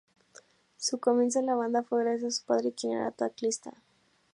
Su comienzo en la banda fue gracias a su padre, quien era teclista.